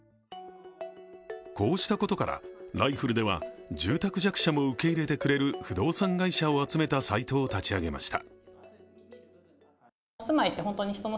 こうしたことからＬＩＦＵＬＬでは、住宅弱者も受け入れてくれる不動産会社を集めたサイトを立ち上げました。